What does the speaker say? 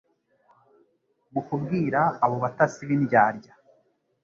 Mu kubwira abo batasi b'indyarya,